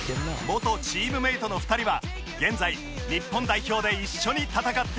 元チームメートの２人は現在日本代表で一緒に戦っています